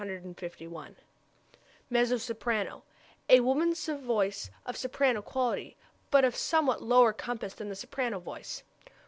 Mezzo soprano a woman's voice of soprano quality, but of somewhat lower compass than the soprano voice.